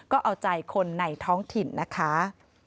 ก็เอาใจคนในท้องถิ่นนะคะ